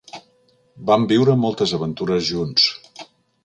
Van viure moltes aventures junts.